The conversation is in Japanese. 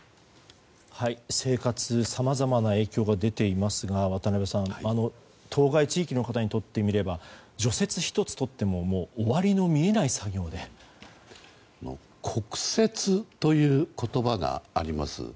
生活にさまざまな影響が出ていますが渡辺さん当該地域の方にとってみれば除雪１つとっても終わりの見えない作業ですね。